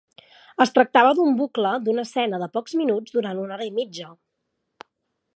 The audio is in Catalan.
Es tractava d'un bucle d'una escena de pocs minuts durant una hora i mitja.